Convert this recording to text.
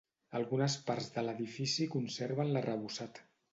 Algunes parts de l'edifici conserven l'arrebossat.